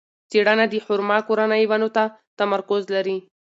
څېړنه د خورما کورنۍ ونو ته تمرکز لري.